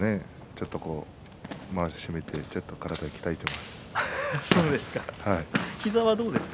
ちょっとまわしを締めて体を鍛えています。